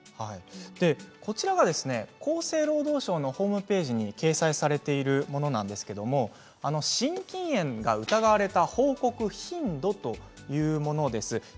厚生労働省のホームページに掲載されているものなんですけれども心筋炎が疑われた報告頻度というものです。